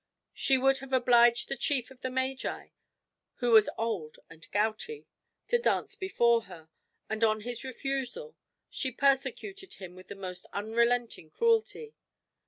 She would have obliged the chief of the magi, who was old and gouty, to dance before her; and on his refusal, she persecuted him with the most unrelenting cruelty.